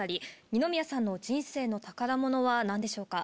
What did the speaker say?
二宮さんの人生の宝物は何でしょうか？